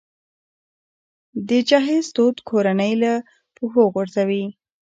د جهیز دود کورنۍ له پښو غورځوي.